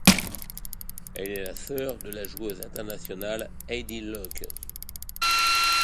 Elle est la sœur de la joueuse internationale Heidi Løke.